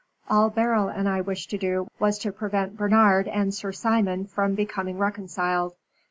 All Beryl and I wished to do was to prevent Bernard and Sir Simon from becoming reconciled.